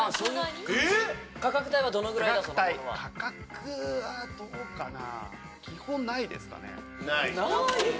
価格はどうかな？